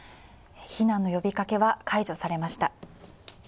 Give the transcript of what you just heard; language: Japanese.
避難の呼びかけは解除されました。